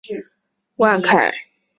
圣昂图万坎翁。